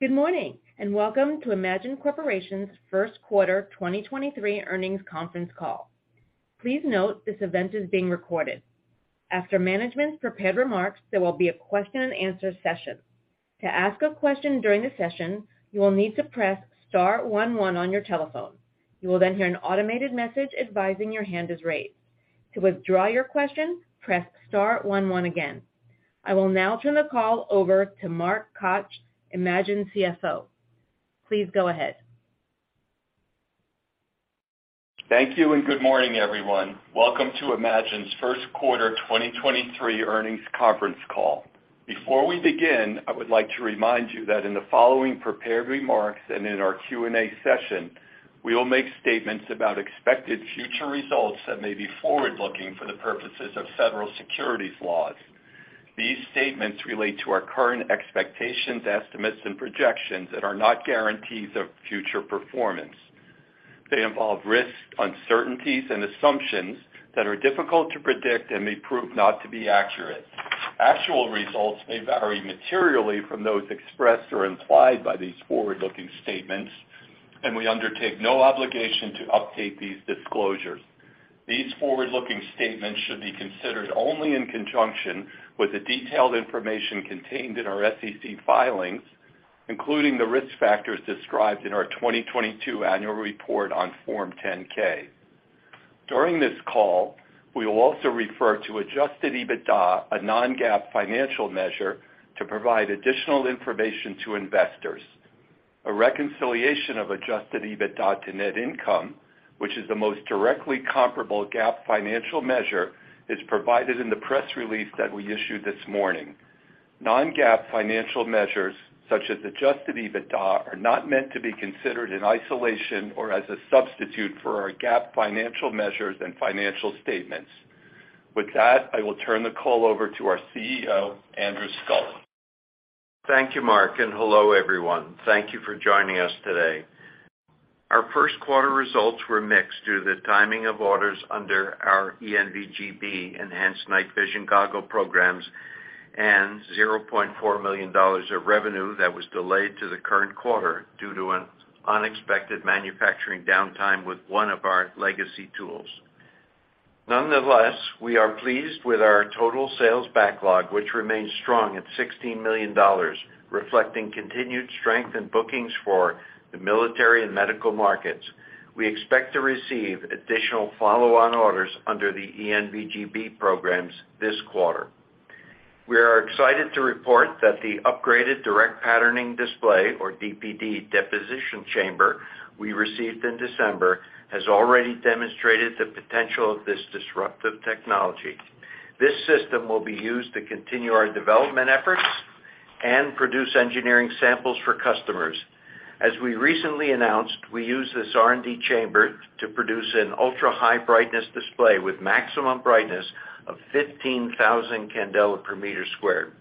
Good morning, welcome to eMagin Corporation's first quarter 2023 earnings conference call. Please note this event is being recorded. After management's prepared remarks, there will be a question and answer session. To ask a question during the session, you will need to press star 11 on your telephone. You will hear an automated message advising your hand is raised. To withdraw your question, press star one oneagain. I will now turn the call over to Mark Koch, eMagin's CFO. Please go ahead. Thank you. Good morning, everyone. Welcome to eMagin's first quarter 2023 earnings conference call. Before we begin, I would like to remind you that in the following prepared remarks and in our Q&A session, we will make statements about expected future results that may be forward-looking for the purposes of several securities laws. These statements relate to our current expectations, estimates, and projections that are not guarantees of future performance. They involve risks, uncertainties, and assumptions that are difficult to predict and may prove not to be accurate. Actual results may vary materially from those expressed or implied by these forward-looking statements, and we undertake no obligation to update these disclosures. These forward-looking statements should be considered only in conjunction with the detailed information contained in our SEC filings, including the risk factors described in our 2022 annual report on Form 10-K. During this call, we will also refer to Adjusted EBITDA, a non-GAAP financial measure, to provide additional information to investors. A reconciliation of Adjusted EBITDA to net income, which is the most directly comparable GAAP financial measure, is provided in the press release that we issued this morning. Non-GAAP financial measures, such as Adjusted EBITDA, are not meant to be considered in isolation or as a substitute for our GAAP financial measures and financial statements. With that, I will turn the call over to our CEO, Andrew Sculley. Thank you, Mark. Hello, everyone. Thank you for joining us today. Our first quarter results were mixed due to the timing of orders under our ENVG-B Enhanced Night Vision Goggle-Binocular programs and $0.4 million of revenue that was delayed to the current quarter due to an unexpected manufacturing downtime with one of our legacy tools. Nonetheless, we are pleased with our total sales backlog, which remains strong at $16 million, reflecting continued strength in bookings for the military and medical markets. We expect to receive additional follow-on orders under the ENVG-B programs this quarter. We are excited to report that the upgraded Direct Patterning Display, or DPD, deposition chamber we received in December has already demonstrated the potential of this disruptive technology. This system will be used to continue our development efforts and produce engineering samples for customers. As we recently announced, we use this R&D chamber to produce an ultra-high brightness display with maximum brightness of 15,000 cd/m.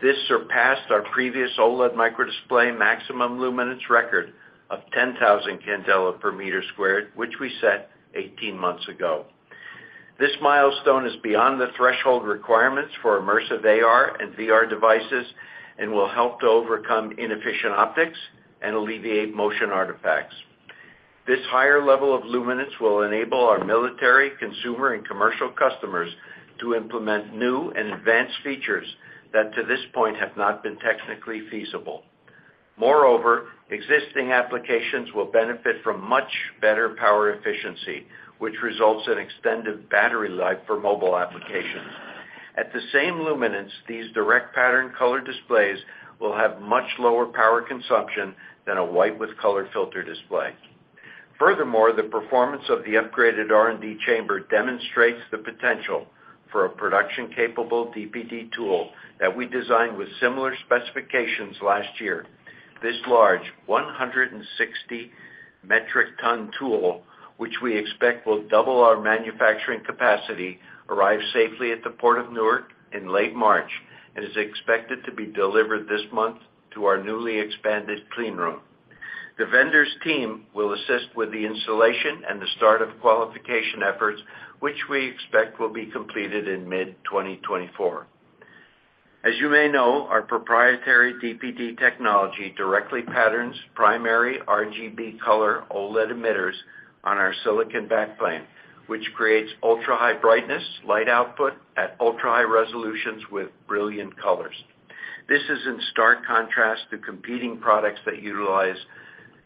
This surpassed our previous OLED microdisplay maximum luminance record of 10,000 cd/m, which we set 18 months ago. This milestone is beyond the threshold requirements for immersive AR and VR devices and will help to overcome inefficient optics and alleviate motion artifacts. This higher level of luminance will enable our military, consumer, and commercial customers to implement new and advanced features that to this point have not been technically feasible. Moreover, existing applications will benefit from much better power efficiency, which results in extended battery life for mobile applications. At the same luminance, these direct pattern color displays will have much lower power consumption than a white with color filter display. Furthermore, the performance of the upgraded R&D chamber demonstrates the potential for a production-capable DPD tool that we designed with similar specifications last year. This large 160 metric ton tool, which we expect will double our manufacturing capacity, arrived safely at the Port of Newark in late March and is expected to be delivered this month to our newly expanded clean room. The vendor's team will assist with the installation and the start of qualification efforts, which we expect will be completed in mid-2024. As you may know, our proprietary DPD technology directly patterns primary RGB color OLED emitters on our silicon backplane, which creates ultra-high brightness, light output at ultra-high resolutions with brilliant colors. This is in stark contrast to competing products that utilize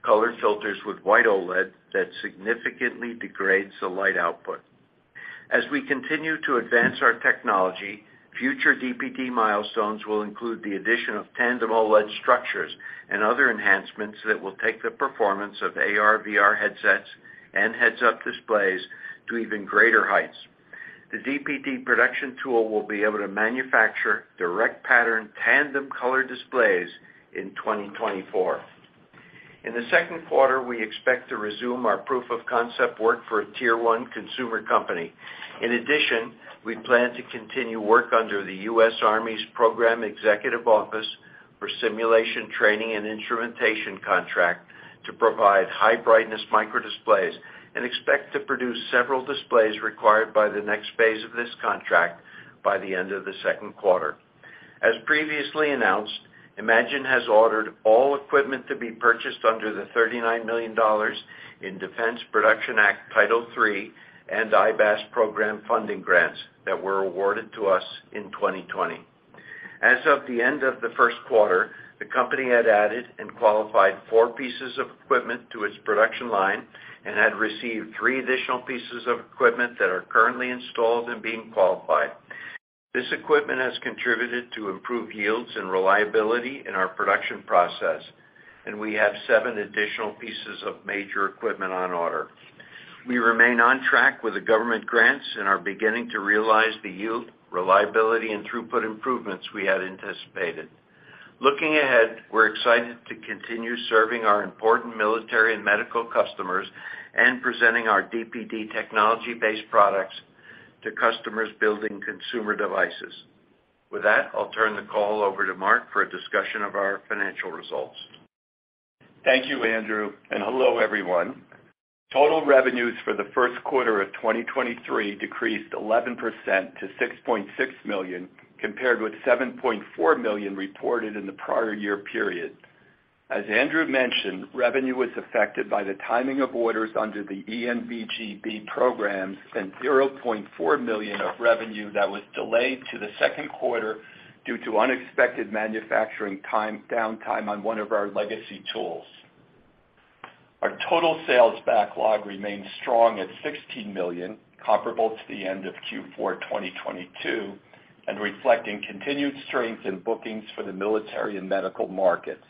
color filters with white OLED that significantly degrades the light output. As we continue to advance our technology, future DPD milestones will include the addition of tandem OLED structures and other enhancements that will take the performance of AR, VR headsets and heads-up displays to even greater heights. The DPD production tool will be able to manufacture direct pattern tandem color displays in 2024. In the second quarter, we expect to resume our proof-of-concept work for a tier-one consumer company. In addition, we plan to continue work under the U.S. Army's Program Executive Office for Simulation, Training and Instrumentation contract to provide high brightness microdisplays and expect to produce several displays required by the next phase of this contract by the end of the second quarter. As previously announced, eMagin has ordered all equipment to be purchased under the $39 million in Defense Production Act Title III and IBAS program funding grants that were awarded to us in 2020. As of the end of the first quarter, the company had added and qualified four pieces of equipment to its production line and had received three additional pieces of equipment that are currently installed and being qualified. This equipment has contributed to improved yields and reliability in our production process, and we have seven additional pieces of major equipment on order. We remain on track with the government grants and are beginning to realize the yield, reliability, and throughput improvements we had anticipated. Looking ahead, we're excited to continue serving our important military and medical customers and presenting our DPD technology-based products to customers building consumer devices. With that, I'll turn the call over to Mark for a discussion of our financial results. Thank you, Andrew. Hello, everyone. Total revenues for the first quarter of 2023 decreased 11% to $6.6 million, compared with $7.4 million reported in the prior year period. As Andrew mentioned, revenue was affected by the timing of orders under the ENVG-B programs and $0.4 million of revenue that was delayed to the second quarter due to unexpected manufacturing downtime on one of our legacy tools. Our total sales backlog remains strong at $16 million, comparable to the end of Q4 2022 and reflecting continued strength in bookings for the military and medical markets.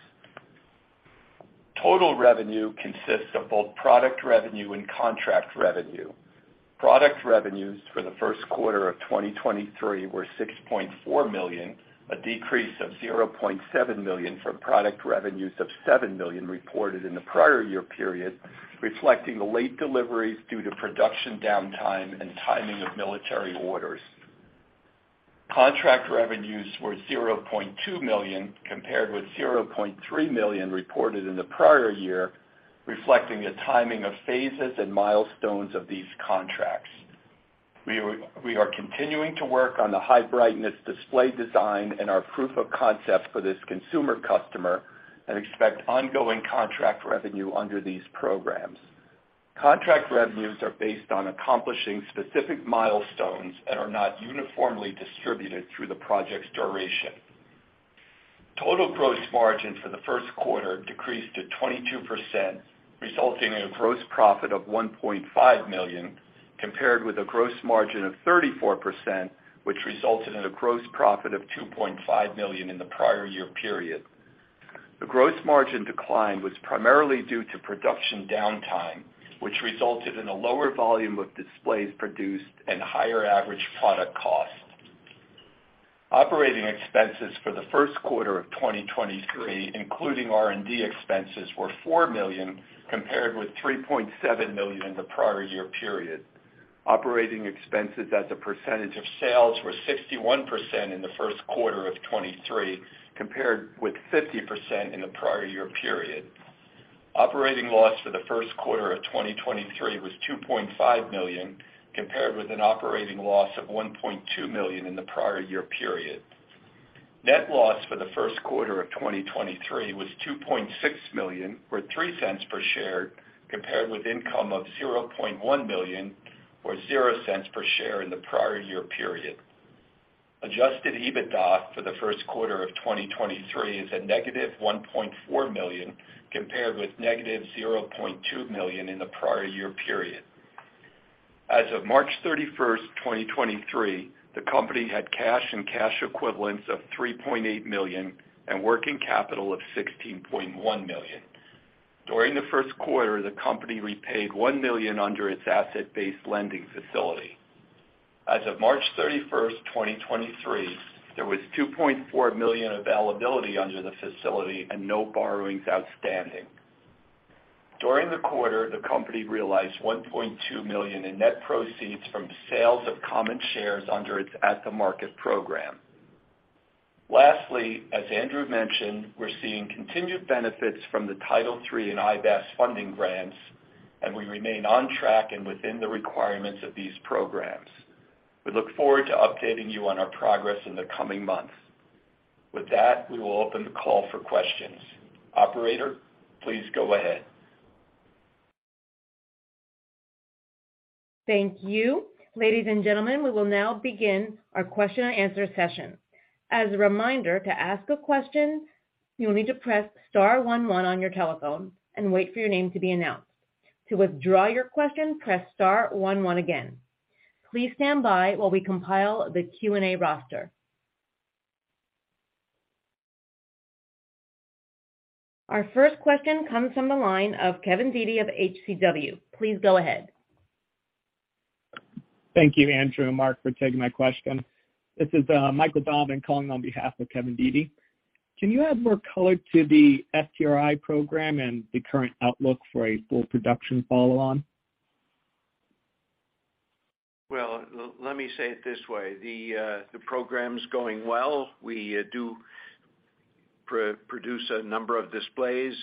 Total revenue consists of both product revenue and contract revenue. Product revenues for the first quarter of 2023 were $6.4 million, a decrease of $0.7 million from product revenues of $7 million reported in the prior year period, reflecting the late deliveries due to production downtime and timing of military orders. Contract revenues were $0.2 million, compared with $0.3 million reported in the prior year, reflecting the timing of phases and milestones of these contracts. We are continuing to work on the high-brightness display design and our proof of concept for this consumer customer and expect ongoing contract revenue under these programs. Contract revenues are based on accomplishing specific milestones and are not uniformly distributed through the project's duration. Total gross margin for the first quarter decreased to 22%, resulting in a gross profit of $1.5 million, compared with a gross margin of 34%, which resulted in a gross profit of $2.5 million in the prior year period. The gross margin decline was primarily due to production downtime, which resulted in a lower volume of displays produced and higher average product cost. Operating expenses for the first quarter of 2023, including R&D expenses, were $4 million, compared with $3.7 million in the prior year period. Operating expenses as a percentage of sales were 61% in the first quarter of 2023, compared with 50% in the prior year period. Operating loss for the first quarter of 2023 was $2.5 million, compared with an operating loss of $1.2 million in the prior year period. Net loss for the first quarter of 2023 was $2.6 million, or $0.03 per share, compared with income of $0.1 million, or $0.00 per share in the prior year period. Adjusted EBITDA for the first quarter of 2023 is a negative $1.4 million, compared with negative $0.2 million in the prior year period. As of March 31st, 2023, the company had cash and cash equivalents of $3.8 million and working capital of $16.1 million. During the first quarter, the company repaid $1 million under its asset-based lending facility. As of March 31st, 2023, there was $2.4 million availability under the facility and no borrowings outstanding. During the quarter, the company realized $1.2 million in net proceeds from sales of common shares under its at-the-market program. Lastly, as Andrew mentioned, we're seeing continued benefits from the Title III and IBAS funding grants. We remain on track and within the requirements of these programs. We look forward to updating you on our progress in the coming months. With that, we will open the call for questions. Operator, please go ahead. Thank you. Ladies and gentlemen, we will now begin our question-and-answer session. As a reminder, to ask a question, you will need to press star one one on your telephone and wait for your name to be announced. To withdraw your question, press star one one again. Please stand by while we compile the Q&A roster. Our first question comes from the line of Kevin Dede of HCW. Please go ahead. Thank you, Andrew and Mark, for taking my question. This is Michael Donovan calling on behalf of Kevin Dede. Can you add more color to the STRI program and the current outlook for a full production follow on? Well, let me say it this way, the program's going well. We do produce a number of displays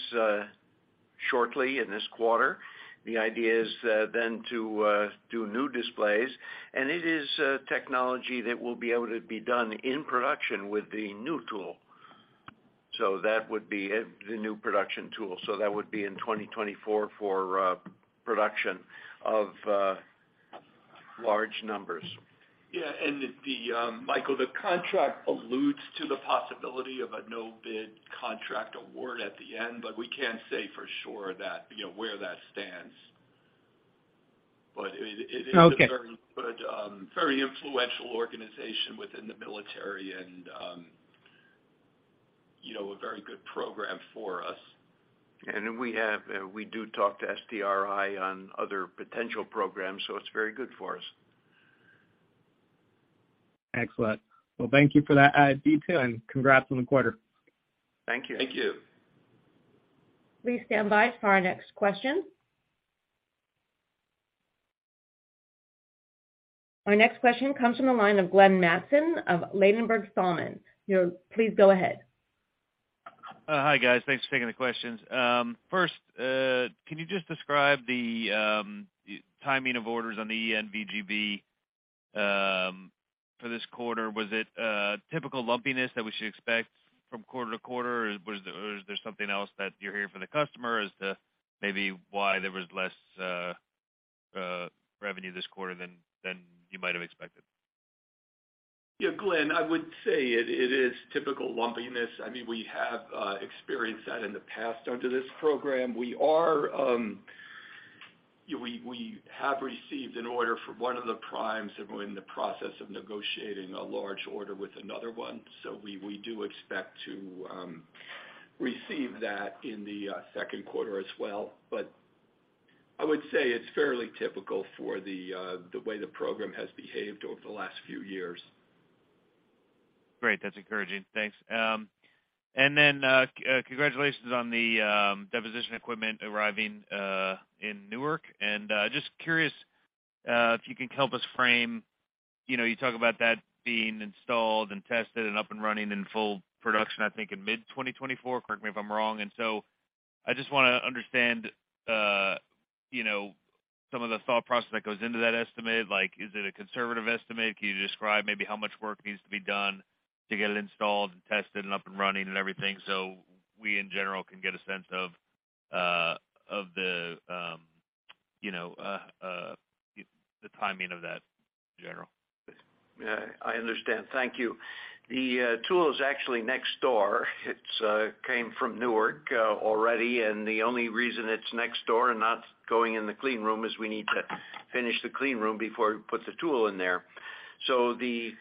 shortly in this quarter. The idea is then to do new displays. It is technology that will be able to be done in production with the new tool. That would be it, the new production tool. That would be in 2024 for production of large numbers. Yeah. Michael, the contract alludes to the possibility of a no-bid contract award at the end, but we can't say for sure that, you know, where that stands. Okay ...a very good, very influential organization within the military and, you know, a very good program for us. We do talk to STRI on other potential programs, so it's very good for us. Excellent. Well, thank you for that detail, and congrats on the quarter. Thank you. Thank you. Please stand by for our next question. Our next question comes from the line of Glenn Mattson of Ladenburg Thalmann. Please go ahead. Hi, guys. Thanks for taking the questions. First, can you just describe the timing of orders on the ENVG-B for this quarter? Was it typical lumpiness that we should expect from quarter to quarter or is there something else that you're hearing from the customer as to maybe why there was less revenue this quarter than you might have expected? Yeah, Glenn, I would say it is typical lumpiness. I mean, we have experienced that in the past under this program. We are we have received an order for one of the primes, and we're in the process of negotiating a large order with another one. We do expect to receive that in the second quarter as well. I would say it's fairly typical for the way the program has behaved over the last few years. Great. That's encouraging. Thanks. Then, congratulations on the deposition equipment arriving in Newark. Just curious, if you can help us frame, you know, you talk about that being installed and tested and up and running in full production, I think in mid-2024, correct me if I'm wrong? So I just wanna understand, you know, some of the thought process that goes into that estimate. Like, is it a conservative estimate? Can you describe maybe how much work needs to be done to get it installed and tested and up and running and everything so we, in general, can get a sense of the, you know, the timing of that in general? Yeah, I understand. Thank you. The tool is actually next door. It's came from Newark already, and the only reason it's next door and not going in the clean room is we need to finish the clean room before we put the tool in there. The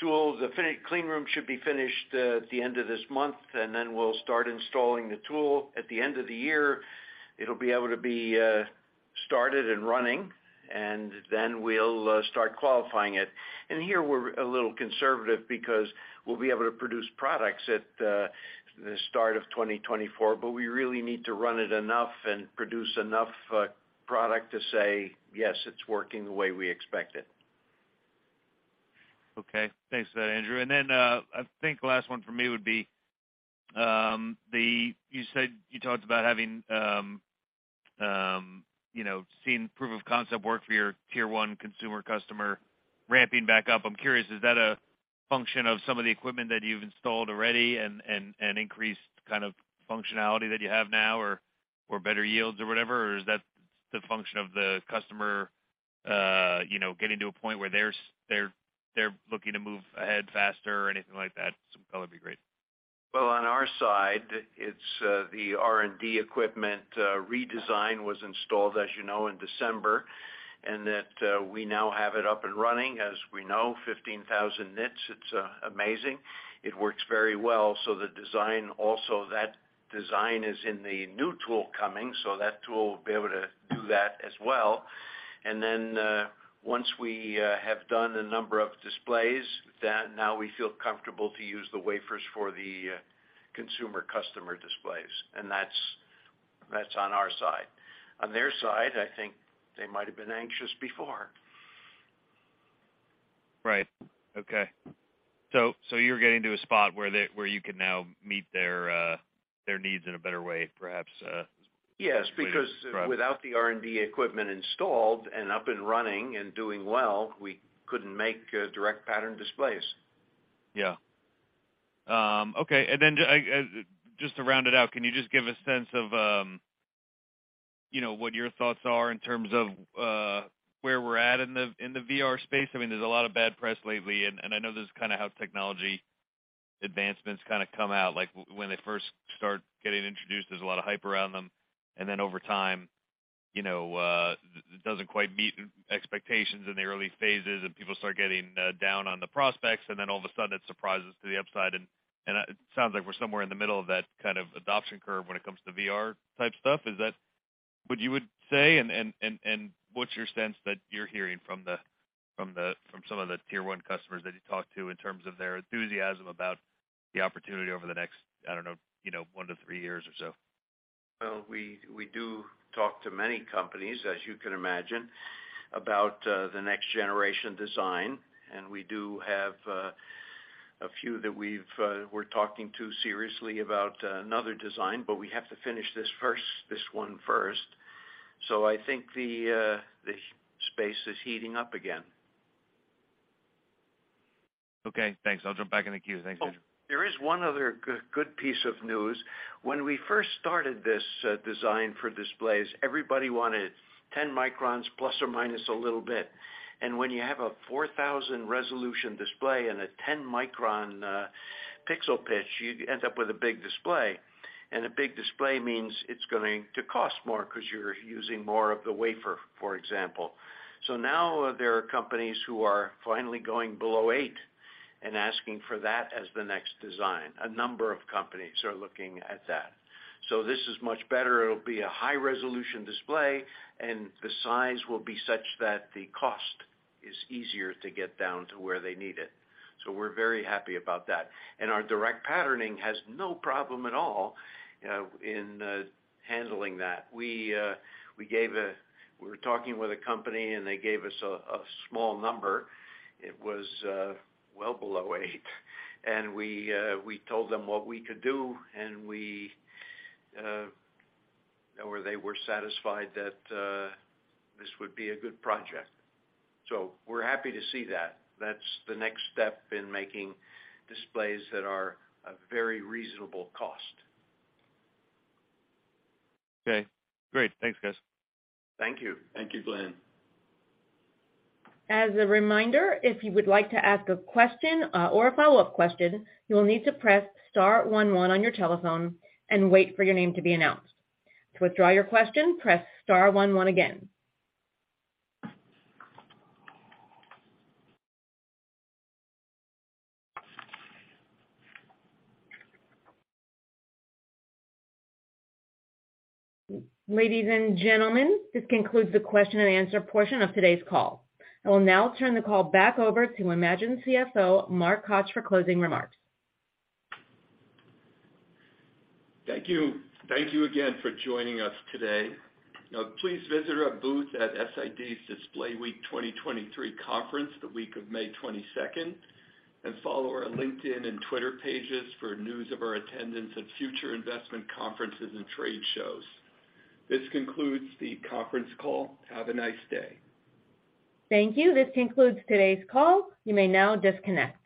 tool, the clean room should be finished at the end of this month, and then we'll start installing the tool. At the end of the year, it'll be able to be started and running, and then we'll start qualifying it. Here, we're a little conservative because we'll be able to produce products at the start of 2024, but we really need to run it enough and produce enough product to say, "Yes, it's working the way we expected. Okay. Thanks for that, Andrew. I think last one for me would be, you know, seen proof of concept work for your tier one consumer customer ramping back up. I'm curious, is that a function of some of the equipment that you've installed already and increased kind of functionality that you have now or better yields or whatever, or is that the function of the customer, you know, getting to a point where they're looking to move ahead faster or anything like that? That would be great. On our side, it's the R&D equipment redesign was installed, as you know, in December, and that we now have it up and running. As we know, 15,000 Nits, it's amazing. It works very well. The design also, that design is in the new tool coming, so that tool will be able to do that as well. Once we have done a number of displays, then now we feel comfortable to use the wafers for the consumer customer displays. That's on our side. On their side, I think they might have been anxious before. Right. Okay. you're getting to a spot where you can now meet their needs in a better way, perhaps. Yes. Way to describe. Without the R&D equipment installed and up and running and doing well, we couldn't make Direct Pattern Displays. Yeah. Okay. Just to round it out, can you just give a sense of, you know, what your thoughts are in terms of, where we're at in the VR space? I mean, there's a lot of bad press lately, and I know this is kind of how technology advancements kind of come out. Like, when they first start getting introduced, there's a lot of hype around them. Over time, you know, it doesn't quite meet expectations in the early phases, and people start getting down on the prospects, all of a sudden it surprises to the upside. It sounds like we're somewhere in the middle of that kind of adoption curve when it comes to VR-type stuff. Is that what you would say? What's your sense that you're hearing from some of the tier one customers that you talk to in terms of their enthusiasm about the opportunity over the next, I don't know, you know, one to three years or so? Well, we do talk to many companies, as you can imagine, about the next generation design, and we do have a few that we've we're talking to seriously about another design, but we have to finish this one first. I think the space is heating up again. Okay, thanks. I'll jump back in the queue. Thanks. There is one other good piece of news. When we first started this design for displays, everybody wanted 10 microns plus or minus a little bit. When you have a 4,000 resolution display and a 10-micron pixel pitch, you end up with a big display. A big display means it's going to cost more 'cause you're using more of the wafer, for example. Now there are companies who are finally going below eight and asking for that as the next design. A number of companies are looking at that. This is much better. It'll be a high resolution display, and the size will be such that the cost is easier to get down to where they need it. We're very happy about that. Our Direct Patterning has no problem at all in handling that. We were talking with a company, and they gave us a small number. It was well below eight. We told them what we could do, and we or they were satisfied that this would be a good project. We're happy to see that. That's the next step in making displays that are a very reasonable cost. Okay, great. Thanks, guys. Thank you. Thank you, Glenn. As a reminder, if you would like to ask a question, or a follow-up question, you'll need to press star one one on your telephone and wait for your name to be announced. To withdraw your question, press star one one again. Ladies and gentlemen, this concludes the question and answer portion of today's call. I will now turn the call back over to eMagin CFO, Mark Koch, for closing remarks. Thank you. Thank you again for joining us today. Please visit our booth at SID's Display Week 2023 conference, the week of May 22nd, and follow our LinkedIn and Twitter pages for news of our attendance at future investment conferences and trade shows. This concludes the conference call. Have a nice day. Thank you. This concludes today's call. You may now disconnect.